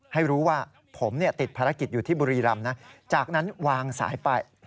ให้รู้ว่าผมติดภารกิจอยู่ที่บุรีรำนะจากนั้นวางสายไป